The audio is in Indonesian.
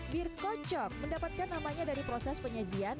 bir kocok mendapatkan namanya dari proses penyajian